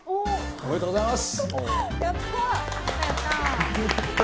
ありがとうございます。